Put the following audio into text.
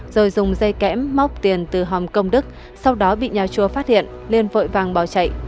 rồi dùng dây kẽm móc tiền từ hòm công đức sau đó bị nhà chùa phát hiện liên vội vàng bỏ chạy